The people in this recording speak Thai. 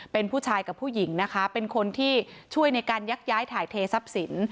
เป็นผู้ชายกับผู้หญิงนะคะเป็นคนที่ช่วยในการยักย้ายถ่ายเททรัพย์สิน